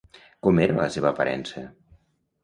Com era la seva aparença?